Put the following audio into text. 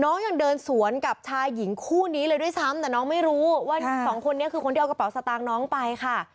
ยังเดินสวนกับชายหญิงคู่นี้เลยด้วยซ้ำแต่น้องไม่รู้ว่าสองคนนี้คือคนที่เอากระเป๋าสตางค์น้องไปค่ะ